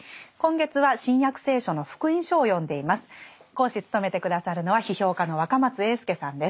講師務めて下さるのは批評家の若松英輔さんです。